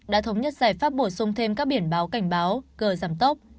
đã thống nhất giải pháp bổ sung thêm các biển báo cảnh báo cờ giảm tốc